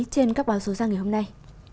trên các báo số sang ngày hôm nay